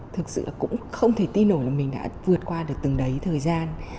thực sự cũng không thể tin nổi mình đã vượt qua được từng đấy thời gian